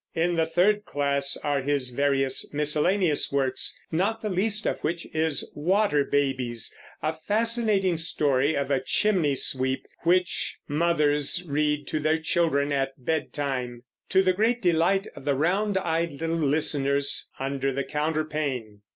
In the third class are his various miscellaneous works, not the least of which is Water Babies, a fascinating story of a chimney sweep, which mothers read to their children at bedtime, to the great delight of the round eyed little listeners under the counterpane.